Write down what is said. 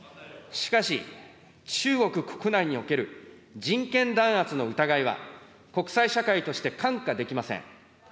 しかし、中国国内における人権弾圧の疑いが、国際社会として看過できません。